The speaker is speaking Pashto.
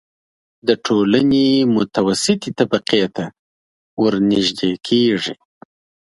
د ټولنې متوسطې طبقې ته ورنژدې کېږي.